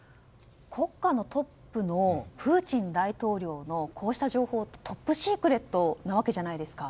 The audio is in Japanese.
国家のトップのプーチン大統領のこうした情報ってトップシークレットなわけじゃないですか。